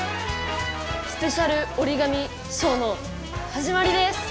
「スペシャル折り紙ショー」のはじまりです。